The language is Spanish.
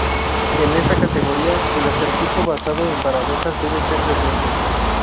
En esta categoría, el acertijo basado en paradojas, debe ser resuelto.